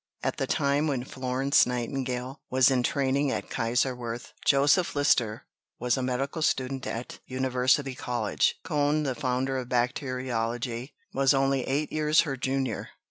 At the time when Florence Nightingale was in training at Kaiserswerth, Joseph Lister was a medical student at University College. Cohn, the founder of bacteriology, was only eight years her junior.